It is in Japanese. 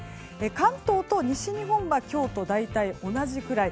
関東と西日本は今日と大体じくらい。